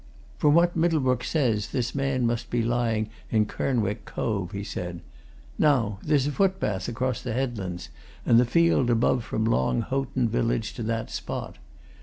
"From what Middlebrook says, this man must be lying in Kernwick Cove," he said. "Now, there's a footpath across the headlands and the field above from Long Houghton village to that spot.